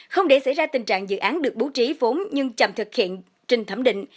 không để xảy ra tình trạng dự án được bố trí vốn nhưng chậm thực hiện trình thẩm định